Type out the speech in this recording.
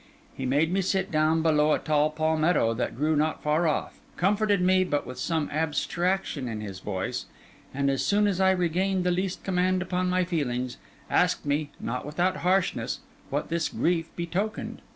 He made me sit down below a tall palmetto that grew not far off; comforted me, but with some abstraction in his voice; and as soon as I regained the least command upon my feelings, asked me, not without harshness, what this grief betokened.